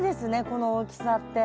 この大きさって。